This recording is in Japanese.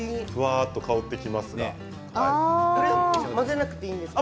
混ぜなくてもいいんですか。